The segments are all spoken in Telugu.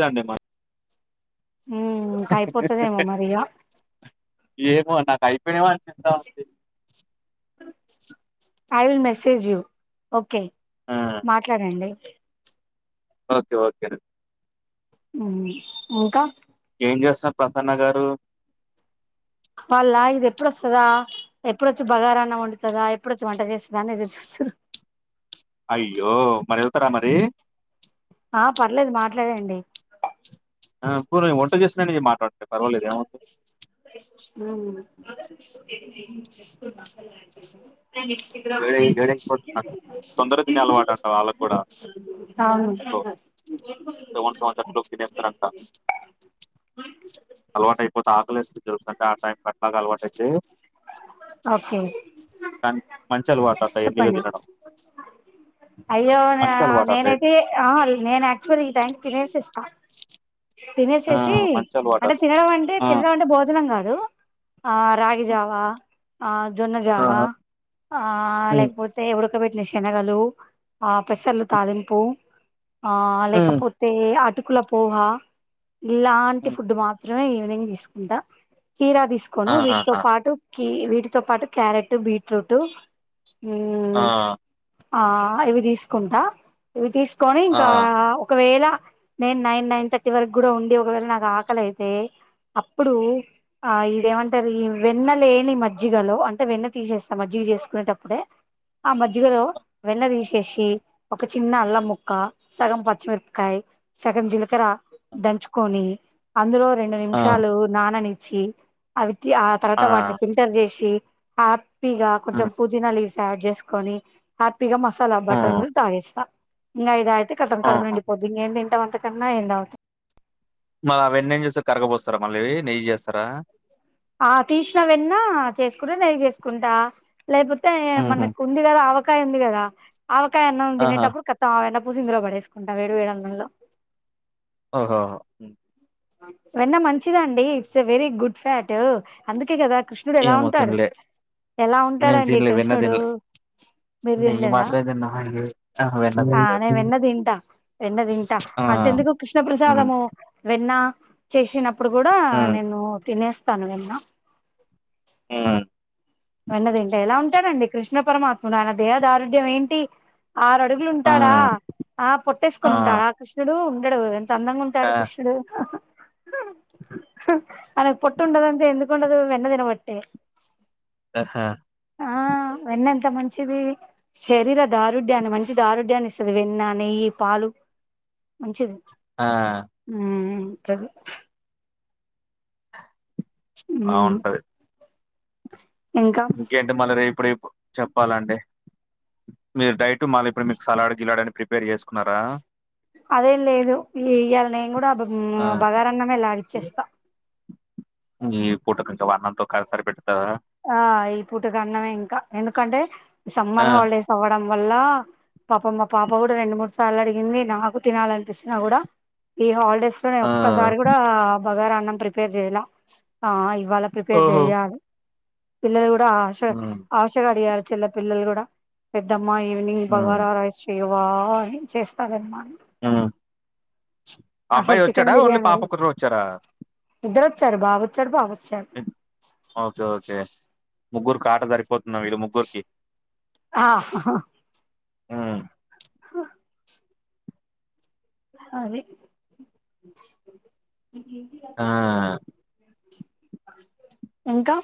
లేదండి మా ఉమ్ ఇంక అయిపోతదేమో మరి ఇగ ఏమో నాకు అయిపోయామో అనిపిత్తా ఉంది I will message you okay ఆ మాట్లాడండి ఓకే ఓకే ఇంకా ఏం చేస్తున్నార్ ప్రసన్న గారు వాళ్ళ ఇది ఎప్పుడొస్తదా ఎప్పుడొచ్చి బగారన్నం వండుతదా ఎప్పుడొచ్చి వంట చేస్తదా అని ఎదురు చూస్తురు అయ్యో మరి ఎళ్తరా మరీ ఆ పర్లేద్ మాట్లాడండి ఆ పూ ఒంట చేస్త ఇది మా అ ఏడే మ ఏడైపోతున్నాను తొందరగా తినే అలవాటు [inaudible] సెవెన్ సెవెన్ తర్టి లోప్ తినేస్తారంత మన స అల్వాట్ అయిపోతే ఆకులేస్తుంద్ చూసుంటే ఆ టైం అట్లా అలవాట్ అయితే ఓకే మంచి అలవాటు అంట ఎర్లీగా చెప్పండి తినడం అయ్యో మంచి అలవాటు అంట ఇది. నేనైతే నేను యాక్చువల్ ఈ టైమ్కి తినేసేస్తా ఆ, తినేసేసి మంచి అలవాటు అంటే అంట తినడం అంటే ఆ, తినడం అంటే భోజనం గాదు ఆ రాగి జావా ఆ జొన్న జావా ఆహా. ఆ ఉమ్, లేక్పోతే ఇప్పుడు పెట్టిన శనగలు ఆ పెసర్లు తాలింపు ఆ ఉమ్, లేకపోతే అటుకుల పోహా ఇలాంటి ఉమ్. ఫుడ్ మాత్రమే ఈవినింగ్ తీసుకుంటా కీరా తీసుకోను వీటితో ఆహాహా. పాటు కీ వీటితో పాటు క్యారెట్ బీట్రూట్ ఆ, మ్ ఆ ఇవి తీసుకుంటా ఇవి తీస్కోని ఆ, ఇంకా ఒకవేళ నేను నైన్ నైన్ థర్టీ వరకు కూడా ఉండి ఒకవేళ నాకు ఆకలైతే అప్పుడూ ఆ ఇదేమంటరు ఈ వెన్న లేని మజ్జిగలో అంటే వెన్న తీసేస్తా మజ్జిగ చేసుకునేటప్పుడే ఆ మజ్జిగలో వెన్న తీశేశి ఒక చిన్న అల్లం ముక్క సగం పచ్చిమిరప్కాయ్ సగం జీలకరా దంచుకొనీ అందులో రెండు ఆ. నిమిషాలూ నాననిచ్చి అవి ఆ తర్వాత వాటిని ఫిల్టర్ చేశీ హ్యాపీగా కొంచెం హ్మ్. పుదీనాలు ఆడ్ చేసుకని హ్యాపీగా మసాలా బట్టర్ హ్మ్. మీల్క్ తాగేస్తా ఇం కతం కడుపు ఆహా! నిండిపోద్ది ఇంగ ఏ తింటం అంతకన్నా ఏం తాగుతం మరి అవన్నీ ఏం చేస్తరు కరగపోస్తరా మళ్ళీ నెయ్యి చేస్తారా ఆ తీసిన వెన్న చేసుకుంటె నెయ్యి చేసుకుంటా లేకపోతే హుహు. మనకు ఉంది కదా ఆవకాయ ఉంది కదా ఆవకాయ అన్నం ఆహా! తినేటప్పుడు కత్తం ఆ వెన్న పూసి ఇందులో పడేసుకుంటా వేడి వేడి అన్నంలో ఓహో వెన్న మంచిదండి it's a very good fat అందుకే కదా కృష్ణుడు ఎలా ఏమో ఉంటాడు తినలే. ఎలా నేను ఉంటాడండి తినలే. వెన్న కృష్ణుడు తినలే. మీరు నెయ్యి తినలేదా మాత్రమే తిన్నానండి వెన్న ఆ తినలేదు నేను వెన్న తింటా వెన్న తింటా ఆ అంతెందుకు కృష్ణ హ్మ్. ప్రసాదమ వెన్న చేసినప్పుడు కూడా హ్మ్. నేను తినేస్తాను వెన్న హ్మ్. వెన్న తింటే ఎలా ఉంటాడండి కృష్ణ పరమాత్ముడు ఆయన దేహ ధారుడ్యం ఏంటి ఆరు అడుగులు ఆ! ఉంటాడా ఆ ఆ! పొట్టేసుకొని ఉంటాడా కృష్ణుడు ఉండడు అందంగా ఆ! ఉంటాడు కృష్ణుడు అయనకు పొట్ట ఉండదు అంటే ఎందుకుండదు వెన్న తినబట్టే ఆహా ఆ వెన్న ఎంత మంచిది శరీర ధారుఢ్యాన్ని మంచి ధారుఢ్యాన్ని ఇస్తది వెన్న నెయ్యి పాలు మంచిది ఆ కదు బావుంటది ఇంకా ఇంకేంటి మళ్ళ రేపు రేపు చెప్పాలండి మీరు డైట్ మళ్ళీ ఇప్పుడు మీకు సలాడ్ గిలాడ్ అని ప్రిపేర్ చేసుకున్నరా అదేం లేదు ఇగ ఇయాల నేను కూడా ఆ! బగారన్నమే లాగించ్చేస్తా ఈ పూట కొంచం అన్నంతో కడుపు సరి పెట్టుకుంటరా ఆ ఈ పుటకి అన్నమే ఇంకా ఎందుకంటే ఆ! సమ్మర్ హాలిడేస్ అవ్వడం వల్ల పాపం మా పాప కూడా రెండు మూడు సార్లు అడిగింది నాకు తినాలనిపిస్తున్న కూడా ఈ హాలిడేస్ లో నేను ఆ! ఒక్కసారి కూడా బగారా అన్నం ప్రిపేర్ చేయలా ఆ ఇవాళ ప్రిపేర్ ఓహో! చెయాలి పిల్లలు కూడా ఆశ హ్మ్ ఆశగా అడిగారు చెల్లె పిల్లలు కూడా పెద్దమ్మా ఈవినింగ్ హ్మ్ బగార రైస్ చెయవా అని చేస్తాలే అమ్మా అని ఆ అసలు అబ్బాయి చికెన్ వచ్చాడా ఓన్లీ బిర్యానీ పాప ఒక్కరే వచ్చారా ఇద్దరు వచ్చారు బాబు వచ్చాడు పాప వచ్చారు హ్మ్. ఓకే ఓకే ముగ్గురుకి ఆట సరిపోతుందేమో వీళ్ళ ముగ్గురికి ఆ ఆ హ అది ఆ ఇంకా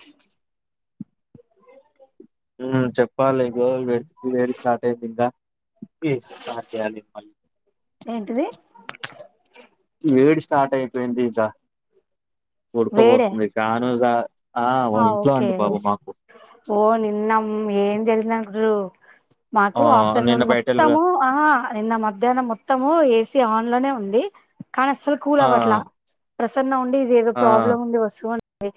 ఉమ్ చెప్పాలి ఇదో వేడి వేడి స్టార్ట్ అయిపోద్దా [unintelligible] స్టార్ట్ చేయాలి మళ్ళీ ఏంటిది వేడి స్టార్ట్ అయిపోయింది ఇగ వేడే ఉడకపోస్తుంది ఫ్యాను ఓ ఆ ఇంట్లో ఓకే అండి బాబు మాకు. ఓ నిన్న ఏం జరిగిందనుకుంటుర్రు మాకు ఆ! నిన్న ఆఫ్టర్నూన్ బయటెళ్ళగా మొత్తము ఆహా నిన్న మధ్యాహ్నం మొత్తము ఏసి ఆన్లనే ఉంది కానీ అసలు కూల్ ఆ! అవ్వట్లే ప్రసన్న ఇది ఏదో ఆ! ప్రాబ్లం ఉంది వస్తువు అండి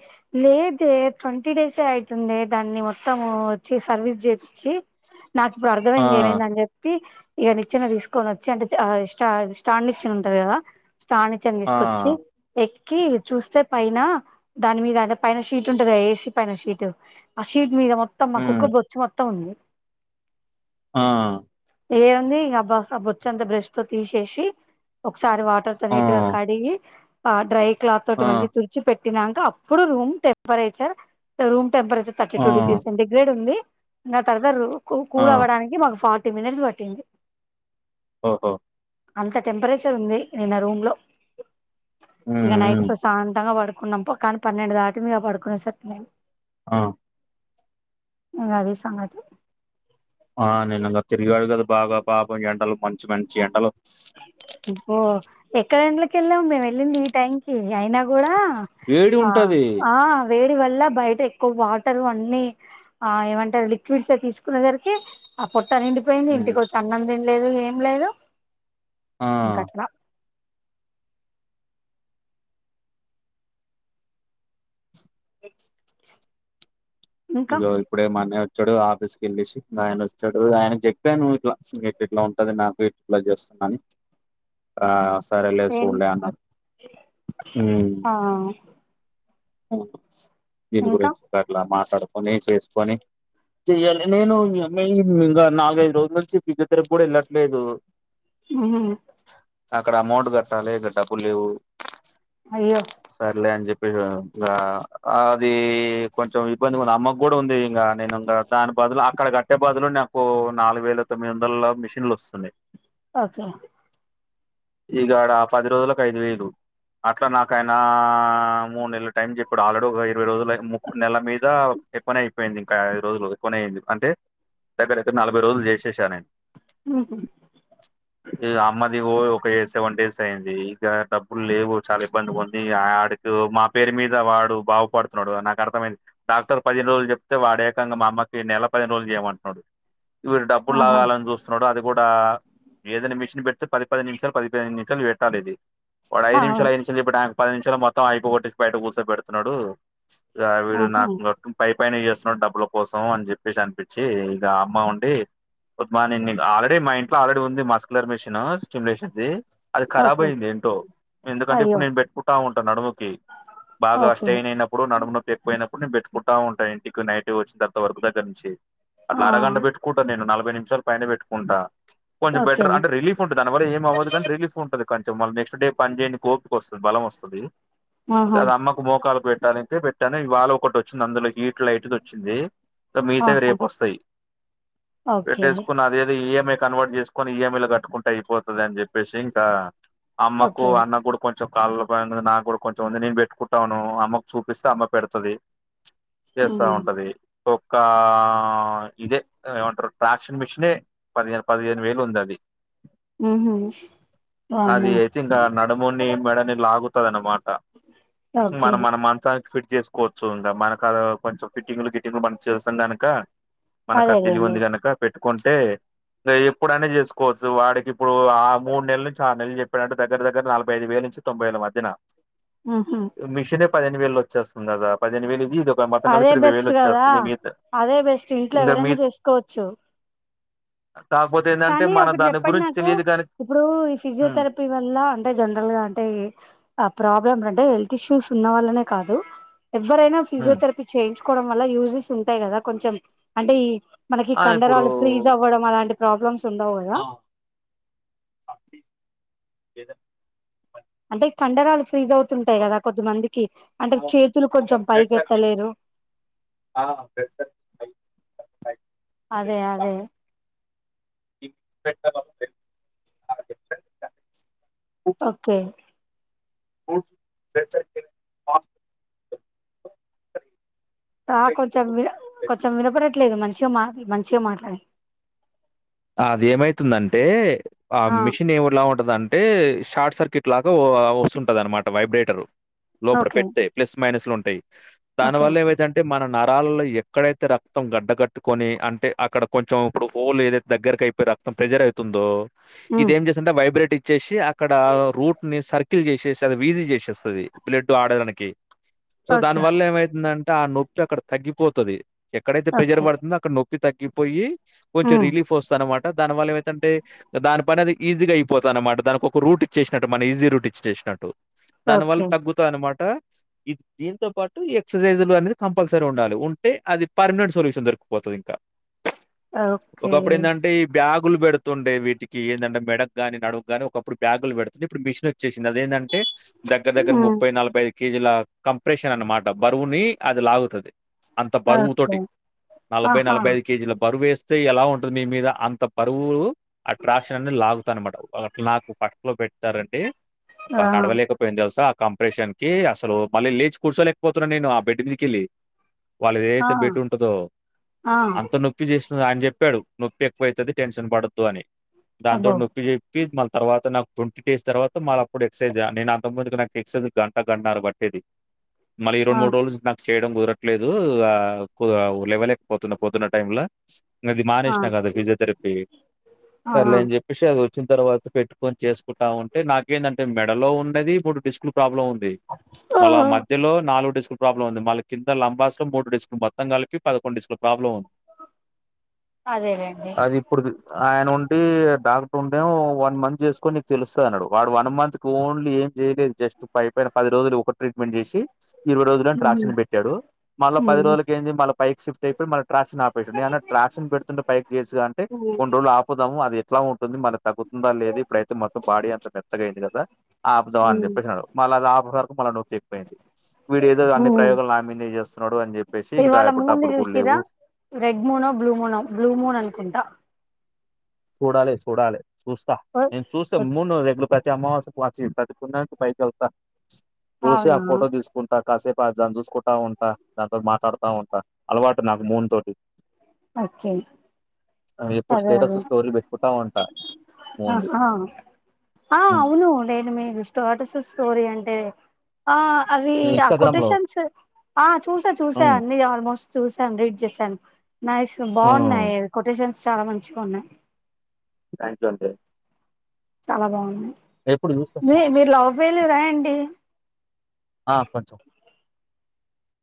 లేదు అయితే ట్వంటీ డేస్ అయితుండే దాన్ని మొత్తం వచ్చి సర్వీస్ చేపిచ్చి నాకు ఇప్పుడు ఆ! అర్థమైంది ఏమైంద అని చెప్పి ఈగ నిచ్చెన తీసుకొని వచ్చి అంటే స్టాండ్ ఇచ్చి ఉంటది కదా స్టాండు నిచ్చెన ఆ! తీసుకొచ్చి ఎక్కి చూస్తే పైన దాని మీద అంటే పైన షీట్ ఉంటుంది ఏసీ పైన సషీట్ ఆ సషీట్ మీద మొత్తం మా కుక్క హ్మ్. బొచ్చు మొత్తం ఉంది ఆ ఏముంది ఇంక అబ్బా బొచ్చు మొత్తం బ్రష్ తో తీసేసి ఒక్కసారి వాటర్ తో ఆ! నీట్ గా కడిగి ఆ డ్రై క్లాత్ తోటి ఆ! మంచి గా తుడిచి పెట్టి తినాక అప్పుడు room temperature room temperature thirty ఆ! టూ డిగ్రీ సెంటిగ్రేడ్ ఉంది ఇంకా తర్వాత రూమ్ ఆ! కూల్ అవ్వడానికి మాకు ఫార్టీ మినిట్స్ పట్టింది ఓహ అంత టెంపరేచర్ ఉంది నిన్న రూమ్ లో హ్మ్. ఇంకా నైట్ హ్మ్. ప్రశాంతంగా పడుకున్న మనం మొఖం పన్నెండు దాటిందిగా పడుకునే సరికి ఆ ఇగ అది సంగతి ఆ నేను ఇంకా తిరిగాడు కదా బాగా పాపం ఎండలు మంచి మంచి ఎండలు ఓ ఎక్కడిదాంట్లకు వెళ్ళాము మేము వెళ్ళింది ఈ టైంకిి అయినా కూడా వేడి ఆ ఉంటది. ఆ వే వేడి వల్ల బయట ఎక్కువ వాటర్ అన్ని ఆ ఏమంటారు లిక్విడ్స్ తీసుకునేసరికి అంతానిండిపోయింది హ్మ్. ఇంటికి వచ్చి అన్నం తినలేదు ఏం లేదు ఆ! ఇంకా అట్ల ఎయిట్ ఇగో ఇప్పుడే మా అన్నయ్య వచ్చాడు ఆఫీస్ కెళ్ళిసి ఆయన వచ్చాడు ఆయనకు అ నువ్వు ఇట్లా ఇట్ ఇట్లా ఉంటంది నాకు ఇట్ ఇట్లా చేస్తున్నాని ఆ సరేలే ఏం చూడలే అన్న ఊ ఆ ఉ హు దీని ఇంకా గురించి అట్లా మాట్లాడుకొని చేసుకొని చెయ్యాలి నేను ఇంగా నాలుగైదు రోజుల నుంచి ఫిజియోథెరపీ కూడా వెళ్ళట్లేదు ఉ అక్కడ అమౌంట్ కట్టాలి ఇక్కడ డబ్బులు లేవు అయ్యో సర్లే అని చెప్పి ఇంకా అది కొంచెం ఇబ్బంది ఉంది అమ్మ కూడా ఉంది ఇంకా నేను ఇంకా దాని బదులు అక్కడ ఇచ్చే బదులు నాకు నాలుగు వేల తొమ్మిది వందల మిషన్లు వస్తున్నాయి ఓకే ఇగ ఆడ పది రోజులకు ఐదు వేలు అట్లా నాకైనా మూడు నెలలు టైం చెప్పడు ఆల్రెడీ ఒక ఇరవై రోజులు నెల మీద ఎక్కువై అయిపోయింది ఇంకా ఐదు రోజులు ఎక్కువై అయింది అంటే దగ్గర దగ్గర అయితే నలభై రోజులు చేసేసా నేను ఉహు ఈ అమ్మది ఓ ఒక సెవెన్ డేస్ అయియంది ఇక డబ్బులు లేవు చాలా ఇబ్బంది ఉంది ఆడకు మా పేరు మీద వాడు బాగుపడుతున్నాడు నాకు అర్థమైంది డాక్టర్ పది రోజులు చెప్తే వాడు ఏకంగా మా అమ్మకి నెల పదిహేను రోజులు చేయమంటున్నాడు వీరు డబ్బులు ఆహా లాగాలని చూస్తున్నాడు అది కూడా ఏదైనా మిషిన్ పెడితే పది పది నిమిషాలు పది పదిహేను నిమిషాలు పెట్టాల ఇది వాడు ఐదు ఆ నిమిషాలు ఐదు నిమిషాలు చెప్పడానికి పది నిమిషాలు మొత్తం అయిపోగొట్టేసి బయట కూర్చోబెడుతున్నాడు వీడు ఆహా నాకు పై పైన చేస్తున్నాడు డబ్బుల కోసం అని చెప్పేసి అనిపించి ఇగా అమ్మ ఉండి గుడ్ మార్నింగ్ ఆల్రెడీ మా ఇంట్లో ఆల్రెడీ ఉంది మస్కులర్ మిషన్ స్టిలేషన్ది అది ఖరాబ్ ఓకే అయింది ఏంటో ఎందుకంటే అయ్యో ఇప్పుడు నేను పెట్టుకుంటా ఉంటాను నడుముకి బాగా ఓకే స్టయిన్ అయినప్పుడు నడుమునొప్పి ఎక్కువైనప్పుడు నేను పెట్టుకుంటాను. ఆ ఉంటాయండి ఇక్కడ నైట్ వచ్చిన తర్వాత వరకు దగ్గర నుంచి అట్లా ఆ అరగంట పెట్టుకుంటాను. నేను నాలుగు మీరు ఇద్దరు పైన పెట్టుకుంటా కొంచె ఓకే బెటర్ అంటే రిలీఫ్ ఉంటది. దానివల్ల ఏమి అవ్వదు కాని రిలీఫ్ ఉంటది. కొంచెం మళ్ళ నెక్స్ట్ డే పని చేయనికి ఓపిక వస్తది. బలం వస్తది ఆహా అది అమ్మకు మోకాలు పెట్ పెట్టకే పెట్టనే వాళ్ళ ఒకటి వచ్చింది అందులో హీట్ లైట్ది వచ్చింది. మిగతావి ఆహా రేపు వస్తాయి ఓకే పెట్టేసుకుని అదేదో ఈఎం మేం కన్వర్ట్ చేసుకొని ఈఎంఐలు కట్టుకుంటే అయిపోతది అని చెప్పేసి ఇంకా అమ్మకు ఓకే అన్న కూడా కొంచెం కాళ్ళల్లో బ నాకు కూడా కొంచెం ఉంది నేనుట్ పెట్టుకుంటాను అమ్మకు చూపిస్తే అమ్మ పెడతది, చేస్తా ఉమ్ ఉంటది. ఒక్క ఇదే ఏమంటరు ట్రాక్షన్ మిషనే పదిహేను పదిహేను వేలు ఉంది అది ఉహు అది వామ్మో అయితే ఇంకా నడుముని, మెడని లాగుతద అనమాట. ఓకే మనం మన మంచానికి ఫిట్ చేసుకోవచ్చుంద మన కాడ కొంచెం ఫిట్టింగ్లు, గిట్టింగ్లు మన చేస్తాం గనుక మనక తెలివి అదేలేండి ఉంది కనుక పెట్టుకుంటే ఏ ఎప్పుడనా చేసుకోవచ్చు వాడికి ఇప్పుడు ఆ మూడు నెల నుంచి ఆరు నెలలు చెప్పడుంటే దగ్గర దగ్గర నలభై ఐదు వే నుంచి తంబై వేల మధ్యన ఉహు మిషనే పదిహేను వేలు వచ్చేస్తుంది కదా పదిహేను వేలు ఇది ఒక మతం అదే కలిపి ఇరవై వేలు బెస్ట్ కదా వచ్చేస్తుంది మీద్ అదే బెస్ట్ ఇంట్లో ఇంకా ఎవరైనా మీద్ చేసుకోవచ్చు కానీ మన ఒకటి దాని చెప్పండి గురించి నాకు తెలియదు కానీ ఇప్పుడు ఈ ఉమ్ ఫిజియోథెరపీ వల్ల అంటే జనరల్ గా అంటే ఆ ప్రాబ్లం రెం దే టిస్యూస్ ఉన్నవాళ్లనే కాదు ఎవ్వరైనా ఉమ్ పిజీయోథెరపీ చేయించుకోవడం వల్ల యూజ్ దిస్ ఉంటాయ్ కదా కొంచం అంటే ఇ మనకి ఆ ఇప్పుడు కండరాలు ఫ్రీజ్ అవ్వడం అలాంటి ప్రాబ్లమ్స్ తుండవ్ అదా ఆ ఏద అంటే కండరాలు ఫ్రీజ్ అవుతుంటాయి కదా కొద్దిమంది కి అంటే అవును చేతులు కొంచెం అవును బ్లడ్ పైకి సర్కిల్ ఎత్తలేరు ఆ బ్లడ్ సర్కిల్ అదే అదే ఇ పెంటలు ఒకటే ఓకే ఉ బ్లడ్ సర్కిల్ ఆఫ్ ఆ కొంచెం వి కొంచెం వినపడట్లేదు మంచిగా మా మంచిగా మాట్లాడ అది ఏమైతుందంటే ఆ మిషన్ ఏమిలా ఉంటదం టే షార్ట్ సర్క్యూట్ లాగా వస్తుంటది అనమాట వైబ్రేటరు లోపల ఓకే పెట్టె ప్లస్, మైనస్లు ఉంటాయి దాని ఓకే వల్ల ఏమైతంటే మన నరాల్లో ఎక్కడైతే రక్తం గడ్డగట్టుకొని అంటే అక్కడ కొంచెం ఇప్పుడు హోలు ఏదైతే దగ్గరకి అయిపోయి రక్తం ప్రెజర్ అవుతుందో ఉమ్ ఇదెం చేసి అంటే వైబ్రేట్ ఇచ్చేసి అక్కడ రూట్ ని సర్కి కిల్ చేసె సెవెన్ విజీ చేసేస్తది బ్లడ్డు ఆడడానికి సో దాని ఓకే వల్ల ఏమైతుందంటే అంటే ఆ నొప్పి అక్కడ తగ్గిపోతది. ఎక్కడైతే ప్రెజర్ ఓకే పడుతుందో అక్కడ నొప్పి తగ్గిపోయి కొంచెం ఉమ్ రిలీఫ్ అనమాట దాని వల్ల ఏమైదంటే దాని పని అది ఈజీగా అయిపోతాది అనమాట దానికి ఒక రూట్ ఇచ్చేసినట్టు మన ఈజీ రూట్ ఇచ్చ చేసినట్టు దాని వల్ల ఓకే తగ్గుతాయి అనమాట ఇది దీంతో పాటు ఇ ఎక్సర్సైజ్ లు అనేది కంపల్సరీ ఉండాలి ఉంటే అది పర్మనెంట్ సొల్యూషన్ దొరికిపోతాది ఇంకా ఓకే ఇప్పుడు ఏంది అంటే ఈ బ్యాగ్ బ్యాగులు పెడుతుండే వీటికి ఏంది అంటే మెడకు గాని నడుముకి గాని ఒకప్పుడు బ్యాగులు పెడుతుండే ఇప్పుడు మిషన్ వచ్చెసింది అది ఏంది అంటే దగ్గర దగ్గర ఉమ్ ముప్పై నలభై ఐదు కేజీ ల కంప్రెషన్ అన్నమాట బరువుని అది లాగుతాది అంత బరువు ఓకే తొటి నలభై ఆహా నలభై ఐదు కేజీల బరువు వేస్తే ఎలా ఉ బరువు అట్రాక్షన్ అనే లాగుతా అన్నమాట అట్లా నాకు ఫస్ట్ లో పెడతారండి అట్టా ఆ నడవలేక పోయిను తెలుసా కంప్రెషన్ కి అసలు మళ్ళీ లేచి కూర్చోలేకపోతున్నా నేను ఆ బెడ్ మీదకిళ్ళి వాళ్ళది ఆ ఏదైతే బెడ్ ఉంటాదో ఆ అంత నొప్పి చేస్తాద అని చెప్పాడు నొప్పి ఎక్కువ అయితాది టెన్షన్ పడద్దు అని దాంతో అబ్బో తోటి నొప్పి చెప్పి మళ్ళా తర్వాత నాకు ట్వంటీ డేస్ తర్వాత మాళ్ళ అప్పుడు ఎక్సైజ్ నేను అంత ముందు నాకు ఎక్సైజ్ గంట గంటన్నార బట్టేది మరి ఈ ఆ రెండు మూడు రోజులు నాకు చేయ్యడం కుదరదు లేదు ఇగ లేవలేకపోతున్న ప్రోద్దున టైం లో ఇది ఆ మానేసి నాకు అదొ ఫిజియోథెరపీ ఆ సర్లే అని చెప్పేసి అది వచ్చిన తర్వాత పెట్టుకొని చేసుకుంటా ఉంటే నాకు ఏంది అంటే మెడ లో ఉన్నది మూడు డిస్క్లు ప్రాబ్లం ఉంది ఓ మళ్ళా మధ్యలో నాలుగు డిస్క్ లో ప్రాబ్లమ్ ఉంది మళ్ళా కింద లంబాసికమ్ లో మూడు డిస్కులు మొత్తం కలిపి పదకోండు డిస్కుల ప్రాబ్లమ్ ఉంది అదేలేండి అది ఇప్పుడుది ఆయన ఉండి డాక్టర్ వన్ మంత్ చేసుకో నీకు తెలుస్తాది అన్నాడు వాడు వన్ వన్ మంత్ కు ఓన్లీ ఏం చేయ్యలేదు జస్ట్ పైపైన పది రోజులు ఒక ట్రీట్మెంట్ చేసి ఇరవై రోజులుని ఉమ్ ట్రాక్షన్ పెట్టాడు మళ్ళా పది ఉమ్ రోజులకు ఏంది మళ్ళా పైకి షిఫ్ట్ అయితా మళ్ళా ట్రాక్షన్ ఆపేసాడు ట్రాక్షన్ పెడుతుంటే పైకి చేయెచ్చుగా అంటే ఉమ్ కొన్ని రోజులు ఆపుదాము అది ఎట్లా ఉంటు మళ్ళీ తగ్గుతుందా లేదు ఇప్పుడయితే మొత్తం బాడీ అంత మెత్తగా అయింది కదా ఆపుదాం అని ఉమ్ చెప్పేసి అన్నాడు మళ్ళా అది ఆపు చెప్పాడు వీడు ఏదో అన్ని ఉమ్. ప్రయోగాలు నామిందనే చేస్తున్నాడు అని చెప్పేసి ఇంకా ఇవాళ ఎప్పుడు మూన్ ని డబ్బులు కూడా చూసిరా లేదు రెడ్ మూన్ ఆ బ్లూ మూనా బ్లూ మూన్ అనుకుంటా చూడాలే చూడాలే చూస్తా ఓ, నేను చూస్తే ఓ, మూన్ ప్రతి అమావాస్య కి [unintelligible] అమ్మా చూడ్డానికి పైకి వెళ్తా చూసి ఆ అవునా ఫోటో తీసుకుంటా కాసేపు దాని చూసుకుంటా ఉంటా దానితో మాట్లాడుతా ఉంటా అలవాటు నాకు మూన్ తోటి ఓకే ఎప్పుడు స్టేటస్ స్టోరీ వెతుకుతా ఉంటా మూన్ది ఆహ ఆ అవును నిను మీది స్టేటస్ ఎసి స్టోరి అంటే ఆ అవి ఆ ఇన్స్టాగ్రామ్ లో కొటేషన్స్ ఆ చూసా చూసా అన్నీ ఆల్మోస్ట్ చూసాను రీడ్ చేశాను నైస్ బాగున్నాయి అవి కొటేషన్స్ చాలా మంచిగా ఉన్నాయి థ్యాంక్ యూ అండి చాలా బాగున్నాయి ఎప్పుడు చూస్తా మీ మూన్ మీరు లవ్ ఫెయ్యిలుర్ రా అండి ఆ కొంచెం